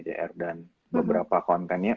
dan beberapa kontennya